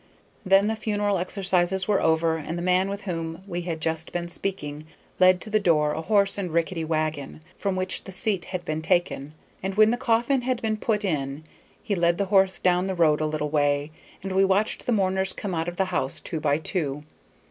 Then the funeral exercises were over, and the man with whom we had just been speaking led to the door a horse and rickety wagon, from which the seat had been taken, and when the coffin had been put in he led the horse down the road a little way, and we watched the mourners come out of the house two by two.